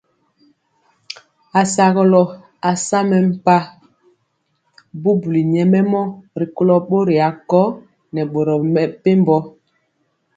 Asagɔlɔ asa mempa bubuli nyɛmemɔ rikolo bori akõ nɛ boro mepempɔ.